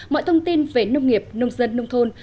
mọi thông tin về nông nghiệp nông dân nông thôn